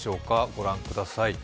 ご覧ください。